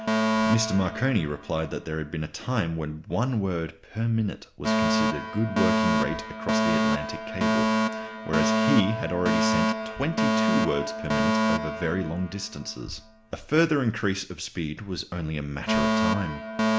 Mr. Marconi replied that there had been a time when one word per minute was considered a good working rate across the Atlantic cable; whereas he had already sent twenty two words per minute over very long distances. A further increase of speed was only a matter of time.